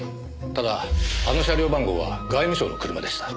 ただあの車両番号は外務省の車でした。